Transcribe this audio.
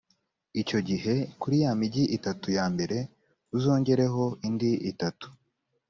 icyo gihe kuri ya migi itatu ya mbere uzongereho indi itatu.